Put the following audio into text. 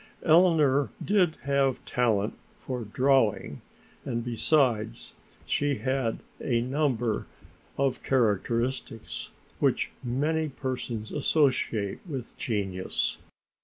Eleanor did have talent for drawing, and besides she had a number of characteristics which many persons associate with genius.